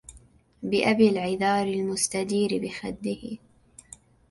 بأبي العذار المستدير بخده